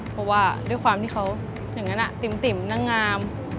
เพราะว่าด้วยความที่เขาอย่างนั้นติ่มนางงาม